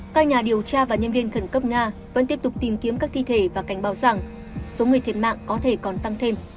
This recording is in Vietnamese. các nhà điều tra và nhân viên khẩn cấp nga vẫn tiếp tục tìm kiếm các thi thể và cảnh báo rằng số người thiệt mạng có thể còn tăng thêm